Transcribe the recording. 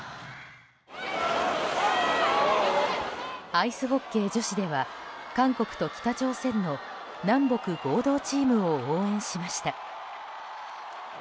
アイスホッケー女子では韓国と北朝鮮の南北合同チームを応援しました。